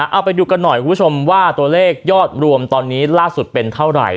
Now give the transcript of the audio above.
เอาไปดูกันหน่อยคุณผู้ชมว่าตัวเลขยอดรวมตอนนี้ล่าสุดเป็นเท่าไหร่